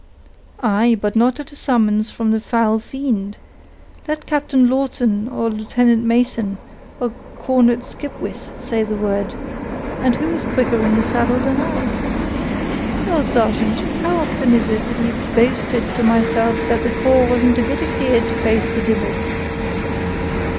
"Aye, but not at a summons from the foul fiend. Let Captain Lawton, or Lieutenant Mason, or Cornet Skipwith, say the word, and who is quicker in the saddle than I?" "Well, sargeant, how often is it that ye've boasted to myself that the corps wasn't a bit afeard to face the divil?"